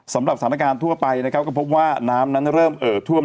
สำหรับสถานการณ์ทั่วไปนะครับก็พบว่าน้ำนั้นเริ่มเอ่อท่วม